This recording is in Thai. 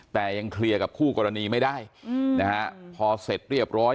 แต่ยังเคลียร์กับคู่กรณีไม่ได้อืมนะฮะพอเสร็จเรียบร้อย